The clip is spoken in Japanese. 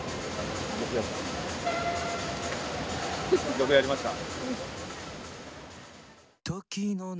よくやりました。